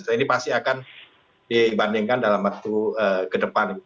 ini pasti akan dibandingkan dalam waktu ke depan